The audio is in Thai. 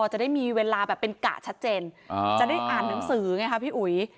จะได้มีเวลาแบบเป็นกะชัดเจนจะได้อ่านหนังสือไงคะพี่อุ๋ย